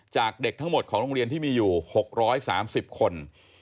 จากเด็กทั้งหมดของโรงเรียนที่มีอยู่๖๓๐คน